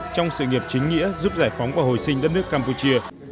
trong sự nghiệp chính nghĩa giúp giải phóng và hồi sinh đất nước campuchia